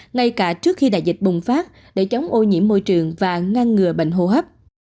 ngay cả trước khi đại dịch bùng phát để chống ô nhiễm môi trường và ngăn ngừa bệnh hô hấp